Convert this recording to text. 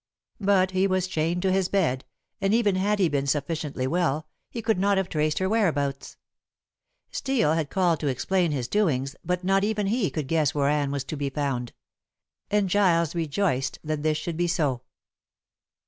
But he was chained to his bed, and even had he been sufficiently well, he could not have traced her whereabouts. Steel had called to explain his doings, but not even he could guess where Anne was to be found. And Giles rejoiced that this should be so.